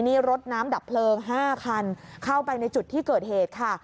นี่รถน้ำดับเพลิง๕คันเข้าไปในจุดที่เกิดเหตุค่ะ